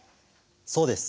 そうです。